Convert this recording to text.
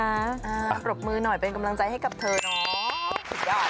ปรบมือหน่อยเป็นกำลังใจให้กับเธอเนาะสุดยอด